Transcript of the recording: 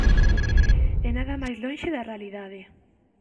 E nada máis lonxe da realidade.